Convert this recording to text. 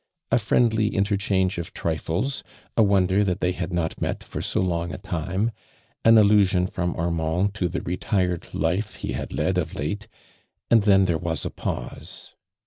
A friendly interchange of trifies — a wonder that they had not met for so long a time, an allusion from Armand to the retired life he had led of late, and then there was a pause.